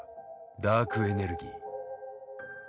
ダークエネルギー。